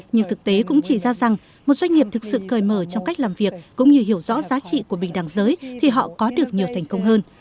nhưng thực tế cũng chỉ ra rằng một doanh nghiệp thực sự cười mở trong cách làm việc cũng như hiểu rõ giá trị của bình đẳng giới thì họ có được nhiều thành công hơn